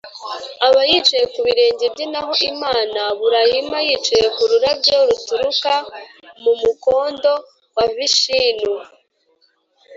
aba yicaye ku birenge bye naho imana burahima yicaye ku rurabyo ruturuka mu mukondo wa vishinu.